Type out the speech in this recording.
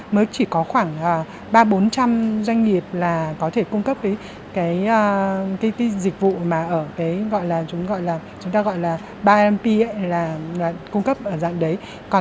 mới chỉ có khoảng ba trăm linh bốn trăm linh doanh nghiệp là có thể cung cấp cái dịch vụ mà chúng ta gọi là bimp là cung cấp ở dạng đấy